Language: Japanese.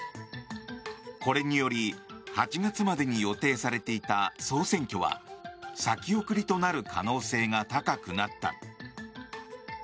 これにより、８月までに予定されていた総選挙は先送りとなる可能性が高くなった。